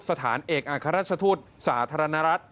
สถานเอกอัครราชทูตสาธารณรัฐ